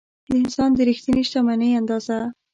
د انسان د رښتینې شتمنۍ اندازه.